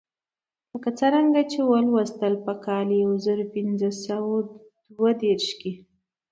لکه څرنګه چې ولوستل په کال یو زر پنځه سوه دوه دېرش کې.